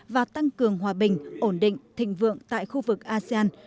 và tăng cường hòa bình ổn định thịnh vượng tại khu vực asean